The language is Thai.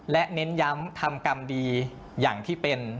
และเน้นย้ำทำกรรมดีอย่างที่เป็น